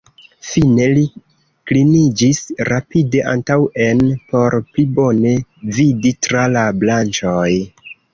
Fine li kliniĝis rapide antaŭen por pli bone vidi tra la branĉoj.